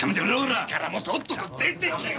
いいからもうとっとと出てけよ！